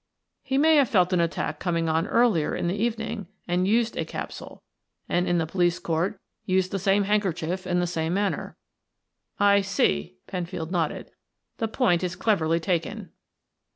"He may have felt an attack coming on earlier in the evening and used a capsule, and in the police court used the same handkerchief in the same manner." "I see," Penfield nodded. "The point is cleverly taken."